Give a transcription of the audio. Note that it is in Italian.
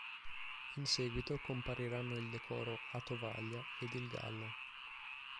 In seguito compariranno il decoro "a tovaglia" ed il gallo.